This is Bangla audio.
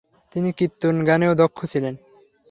তিনি কীর্তন গানেও দক্ষ ছিলেন।